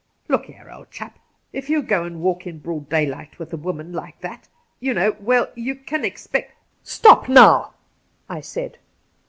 ' Look here, old chap. If you will go a,nd walk in broad daylight with a woman like that, you know — weU, you can't expect '' Stop now 1' I said.